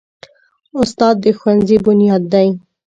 استاد د ښوونځي بنیاد دی.